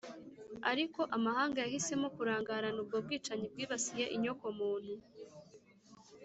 ariko amahanga yahisemo kurangarana ubwo bwicanyi bwibasiye inyoko muntu.